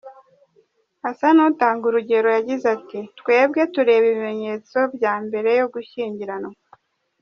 Asa n’utanga urugero yagize ati “Twebwe tureba ibimenyetso bya mbere yo gushyingiranwa.